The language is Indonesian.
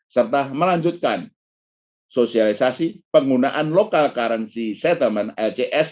serta melanjutkan sosialisasi penggunaan local currency settlement lcs